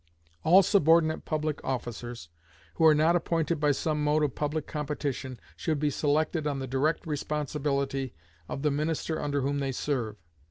All subordinate public officers who are not appointed by some mode of public competition should be selected on the direct responsibility of the minister under whom they serve.